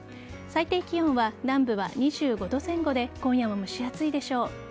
最低気温は南部は２５度前後で今夜も蒸し暑いでしょう。